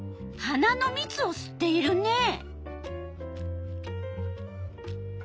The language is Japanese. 花のみつをすっているね。